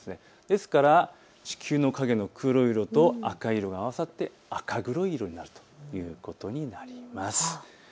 ですから地球の影の黒い色と赤い色が合わさって赤黒い色になるということになります。